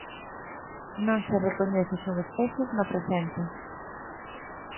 Non se recoñecen subespecies no presente.